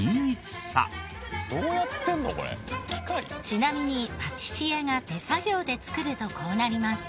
ちなみにパティシエが手作業で作るとこうなります。